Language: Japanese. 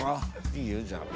いいよじゃあ。